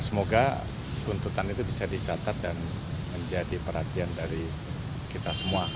semoga tuntutan itu bisa dicatat dan menjadi perhatian dari kita semua